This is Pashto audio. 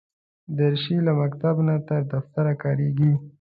دریشي له مکتب نه تر دفتره کارېږي.